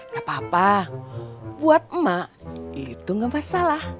gak apa apa buat emak itu gak masalah